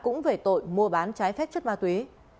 cũng về tội mua bán trái phép chất ma túy